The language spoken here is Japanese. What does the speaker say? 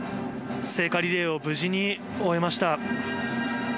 聖火リレーを無事に終えました。